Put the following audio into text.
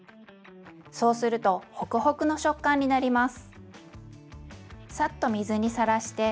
そうするとホクホクの食感になります。